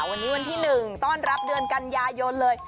วันนี้วันที่๑ต้อนรับเดือนกันยายนเลย